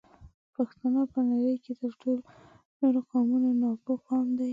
پښتانه په نړۍ کې تر ټولو نورو قومونو ناپوه قوم دی